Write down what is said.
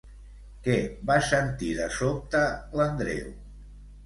Què va sentir de sobte l'Andreu?